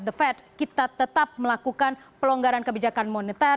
the fed kita tetap melakukan pelonggaran kebijakan moneter